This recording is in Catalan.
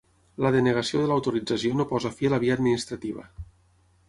La denegació de l'autorització no posa fi a la via administrativa.